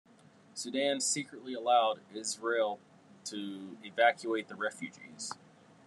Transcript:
Sudan secretly allowed Israel to evacuate the refugees.